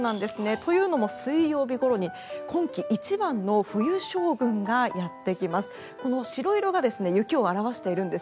というのも水曜日ごろに今季一番の冬将軍がやってきます。